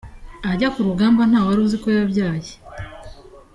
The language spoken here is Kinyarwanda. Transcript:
Ajya ku rugamba ntawari uzi ko yabyaye .